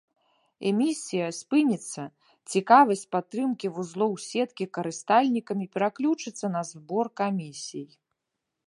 Эмісія спыніцца, цікавасць падтрымкі вузлоў сеткі карыстальнікамі пераключыцца на збор камісій.